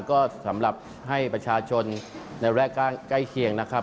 ก็สำหรับให้ประชาชนในแวกใกล้เคียงนะครับ